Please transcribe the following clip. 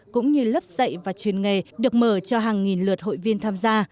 cũng như lớp dạy và chuyên nghề được mở cho hàng nghìn lượt hội viên tham gia